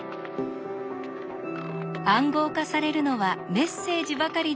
暗号化されるのはメッセージばかりではありません。